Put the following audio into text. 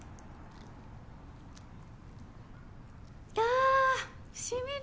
あ染みる！